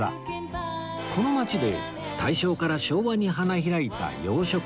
この街で大正から昭和に花開いた洋食文化